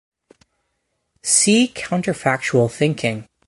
See counterfactual thinking.